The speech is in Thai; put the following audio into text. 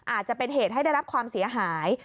อาจจะเป็นเหตุให้ได้รับความเสียหาย